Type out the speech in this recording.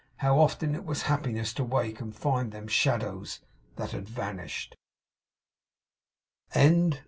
How often it was happiness to wake and find them Shadows that had vanished!